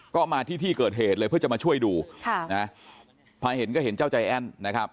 ก็มาที่ที่เกิดเหตุเลยเพื่อจะมาช่วยดูค่ะนะพอเห็นก็เห็นเจ้าใจแอ้นนะครับ